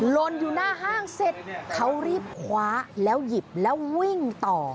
ลนอยู่หน้าห้างเสร็จเขารีบคว้าแล้วหยิบแล้ววิ่งต่อ